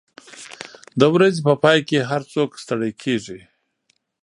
د ورځې په پای کې هر څوک ستړي کېږي.